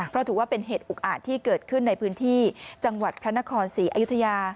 เพราะถือว่าเป็นเหตุอุกอาจที่เกิดขึ้นในพื้นที่จังหวัดพระนครศรีอยุธยา